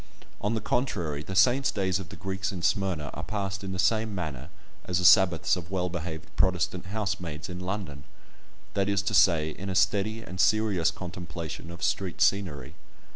On the contrary, the saints' days of the Greeks in Smyrna are passed in the same manner as the Sabbaths of well behaved Protestant housemaids in London—that is to say, in a steady and serious contemplation of street scenery.